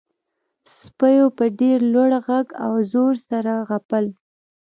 سپیو په ډیر لوړ غږ او زور سره غپل